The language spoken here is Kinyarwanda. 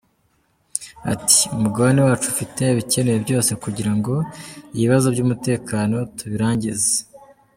Ati “Umugabane wacu ufite ibikenewe byose kugira ngo ibibazo by’umutekano tubirangize.